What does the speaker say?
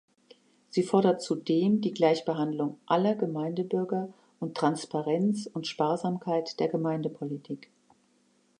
Sie fordert zudem die Gleichbehandlung aller Gemeindebürger und Transparenz und Sparsamkeit der Gemeindepolitik.